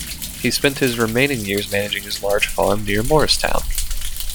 He spent his remaining years managing his large farm near Morristown.